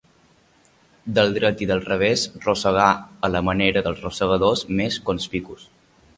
Del dret i del revés, rosegar a la manera dels rosegadors més conspicus.